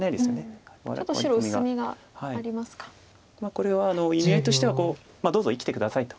これは意味合いとしてはどうぞ生きて下さいと。